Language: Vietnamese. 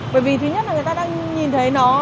bởi vì thứ nhất là người ta đang nhìn thấy nó